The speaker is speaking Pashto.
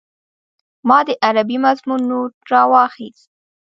ما د عربي مضمون نوټ راواخيست.